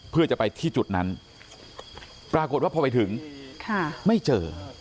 เพื่อจะไปที่จุดนั้นปรากฏว่าพอไปถึงไม่เจอ